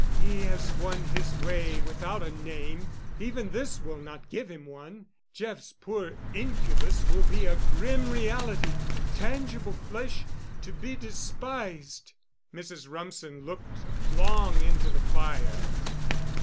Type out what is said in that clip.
He has won his way without a name—even this will not give him one. Jeff's poor incubus will be a grim reality—tangible flesh—to be despised." Mrs. Rumsen looked long into the fire.